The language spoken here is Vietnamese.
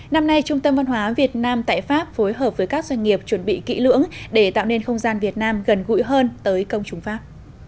năm nay trung tâm văn hóa việt nam tại pháp phối hợp với các doanh nghiệp chuẩn bị kỹ lưỡng để tạo nên không gian việt nam gần gũi hơn tới công chúng pháp